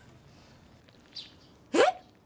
えっ！？